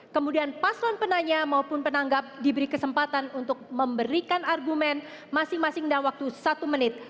kemudian paslon penanya maupun penanggap diberi kesempatan untuk memberikan argumen masing masing dalam waktu satu menit